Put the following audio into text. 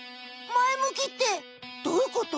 前向きってどういうこと？